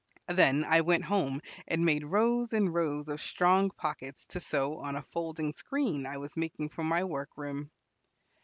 Then I went home, and made rows and rows of strong pockets to sew on a folding screen I was making for my work room.